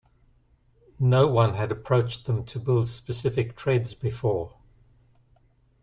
No one had approached them to build specific treads before.